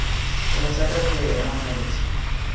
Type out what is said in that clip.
প্রেমে ছেঁকা খেয়ে এমন হয়ে গেছে।